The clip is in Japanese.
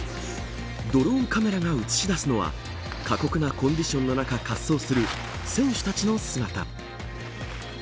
ドローンカメラが映し出すのは過酷なコンディションの中滑走する選手たちの姿。